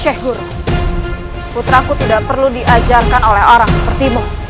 sheikh guru putraku tidak perlu diajarkan oleh orang seperti mu